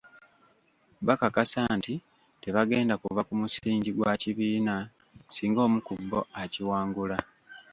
Bakakasa nti tebagenda kuva ku musingi gwa kibiina singa omu ku bo akiwangula.